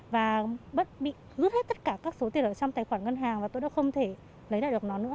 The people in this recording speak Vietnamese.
và bị rút hết tất cả các số tiền ở trong tài khoản ngân hàng và tôi đã không thể lấy lại được nó nữa